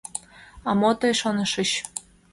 — А мо тый шонышыч!